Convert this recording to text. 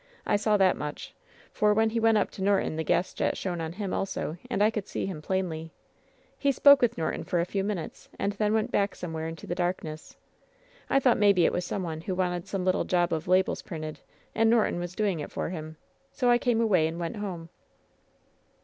I saw that much, for when he went up to Norton the gas jet shone on him also, and I could see him plainly. He spoke with Nor LOVE'S BITTEREST CUP 817 ton for a few minutes, and then went back somewhere into the darkness. I thought maybe it was some one who wanted some little job of labels printed and Norton was doing it for him. So I came away and went home."